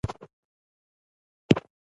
د مور په نس کې و چې پلار یې وفات شو.